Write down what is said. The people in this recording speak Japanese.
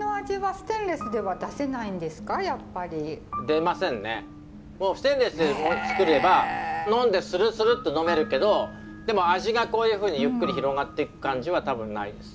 ステンレスで造れば呑んでスルスルッと呑めるけどでも味がこういうふうにゆっくり広がっていく感じは多分ないです。